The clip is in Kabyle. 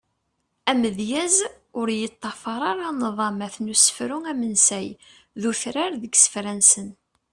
Amedyaz ur yeṭṭafar ara nḍamat n usefru amensay d utrar deg isefra-nsen.